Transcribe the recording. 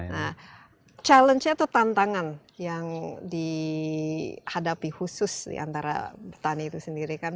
nah challenge atau tantangan yang dihadapi khusus di antara petani itu sendiri kan